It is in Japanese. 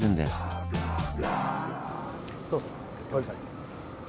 どうぞ。